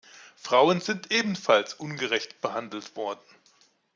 Frauen sind ebenfalls ungerecht behandelt worden.